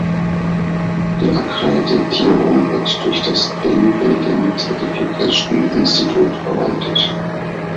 Die Akkreditierung wird durch das Green Building Certification Institute verwaltet.